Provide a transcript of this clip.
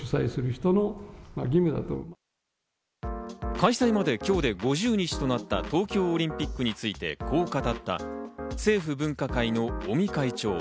開催まで今日で５０日となった東京オリンピックについてこう語った、政府分科会の尾身会長。